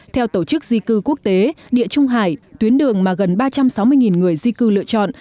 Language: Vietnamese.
theo tổ chức di cư quốc tế địa trung hải tuyến đường mà gần ba trăm sáu mươi người di cư lựa chọn